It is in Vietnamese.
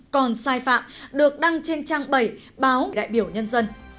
còn sai phạm được đăng trên trang bảy báo đại biểu nhân dân